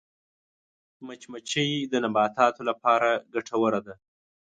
مچمچۍ د نباتاتو لپاره ګټوره ده